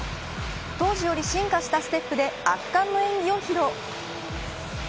当時より進化したステップで圧巻の演技を披露。